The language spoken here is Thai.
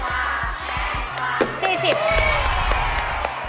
แค่ความแค่ความ